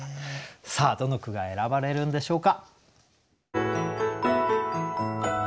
さあどの句が選ばれるんでしょうか。